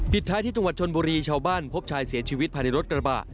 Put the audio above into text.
ท้ายที่จังหวัดชนบุรีชาวบ้านพบชายเสียชีวิตภายในรถกระบะ